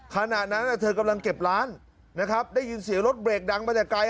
ขณะนั้นเธอกำลังเก็บร้านนะครับได้ยินเสียงรถเบรกดังมาจากไกล